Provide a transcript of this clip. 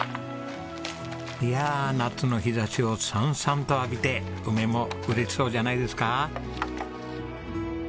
いやあ夏の日差しを燦々と浴びて梅も嬉しそうじゃないですか。